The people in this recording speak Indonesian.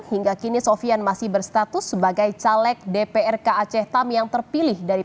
hingga kini sofian masih berstatus sebagai caleg dprk aceh tam yang terpilih dari p tiga